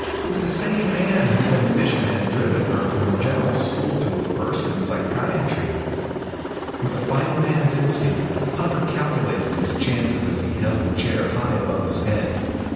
It was the same Ann whose ambition had driven her from the general school to a First in Psychiatry. With a fighting man's instinct, Hunter calculated his chances as he held the chair high above his head.